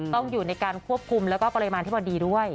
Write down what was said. ต้องอยู่ในการควบคุมแล้วก็ปริมาณที่พอดีด้วย